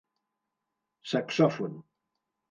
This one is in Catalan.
Saxòfon.